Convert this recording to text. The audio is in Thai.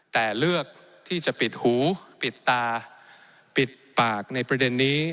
แต่เลือกที่จะปิดหูปิดตาปิดปากในประเด็นนี้